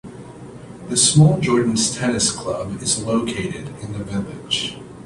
The small Jordans Tennis Club is located in the village.